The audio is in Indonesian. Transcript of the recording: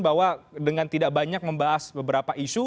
bahwa dengan tidak banyak membahas beberapa isu